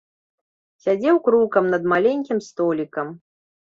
Сядзеў крукам над маленькім столікам.